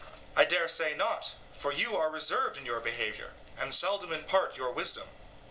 SOCRATES: I dare say not, for you are reserved in your behaviour, and seldom impart your wisdom.